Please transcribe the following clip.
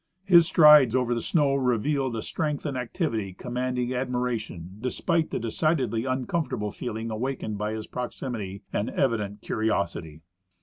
His strides over the snow revealed a strength and activity commanding admiration despite the decidedly uncomfortable feeling awakened by his proximity and evident curiosity.